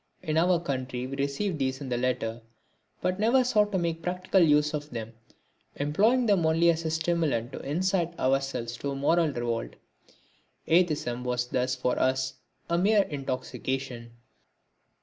In our country we received these in the letter, but never sought to make practical use of them, employing them only as a stimulant to incite ourselves to moral revolt. Atheism was thus for us a mere intoxication.